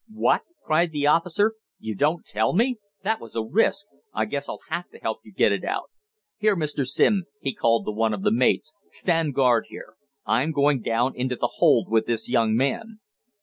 "What!" cried the officer. "You don't tell me? That was a risk! I guess I'll have to help you get it out. Here, Mr. Simm," he called to one of the mates, "stand guard here. I'm going down into the hold with this young man."